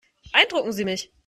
Beeindrucken Sie mich.